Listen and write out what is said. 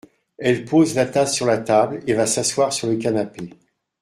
Elle pose la tasse sur la table et va s’asseoir sur le canapé.